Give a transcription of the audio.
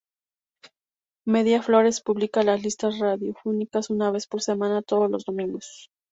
Media Forest publica las listas radiofónicas una vez por semana, todos los domingos.